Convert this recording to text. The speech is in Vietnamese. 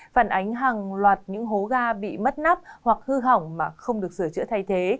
phản ánh hàng loạt những hố ga bị mất nắp hoặc hư hỏng mà không được sửa chữa thay thế